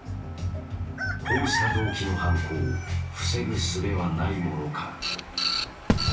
こうした動機の犯行、防ぐすべはないものか。